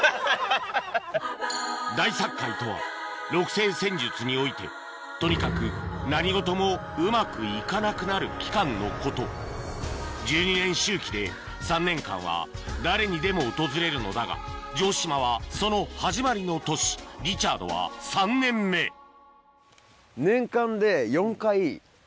大殺界とは六星占術においてとにかく何事もうまく行かなくなる期間のこと１２年周期で３年間は誰にでも訪れるのだが城島はその始まりの年リチャードは３年目えっ！